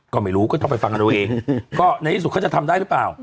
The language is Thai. ก็ไม่รู้ก็ต้องไปฟังกันเอาเองก็ในที่สุดเขาจะทำได้หรือเปล่า